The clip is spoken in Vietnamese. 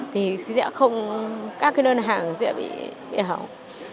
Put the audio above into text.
thì sẽ không các cái đơn hàng dễ bị hỏng